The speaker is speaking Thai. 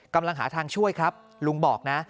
กำลังหาทางช่วยครับลุงบอกนะ